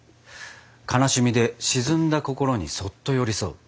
悲しみで沈んだ心にそっと寄り添う。